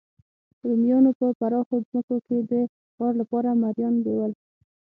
رومیانو په پراخو ځمکو کې د کار لپاره مریان بیول